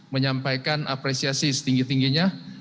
menyampaikan apresiasi setinggi tingginya